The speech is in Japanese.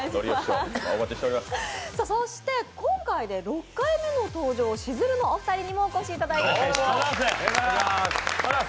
そして今回で６回目の登場しずるのお二人にもお越しいただいています。